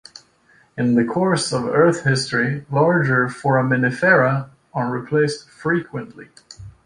In the course of Earth history, larger Foraminifera are replaced frequently.